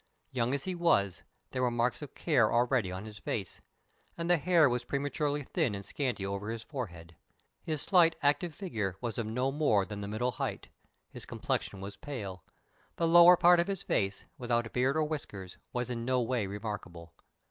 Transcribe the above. Young as he was, there were marks of care already on his face, and the hair was prematurely thin and scanty over his forehead. His slight, active figure was of no more than the middle height. His complexion was pale. The lower part of his face, without beard or whiskers, was in no way remarkable.